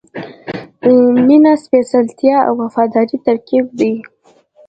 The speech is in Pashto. • مینه د سپېڅلتیا او وفادارۍ ترکیب دی.